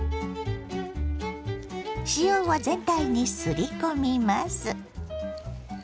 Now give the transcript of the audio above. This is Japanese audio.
塩を全体にすり込みます。